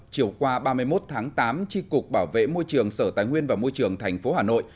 chiều qua ba mươi một tháng tám tri cục bảo vệ môi trường sở tài nguyên và môi trường tp hà nội